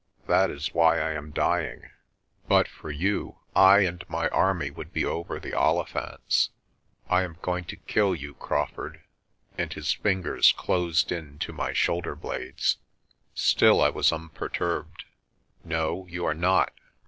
That is why I am dying. But for you I and my army would be over the Olifants. I am going to kill you, Crawfurd," and his fingers closed in to my shoul der blades. Still I was unperturbed. "No, you are not.